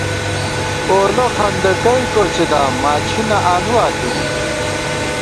پولہ خندَکَئ کوڅِداؤم، ماچھی نہ آنُوا توئیں